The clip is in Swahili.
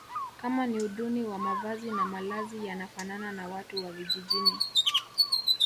Kama ni uduni wa mavazi na malazi yanafanana na watu wa vijijini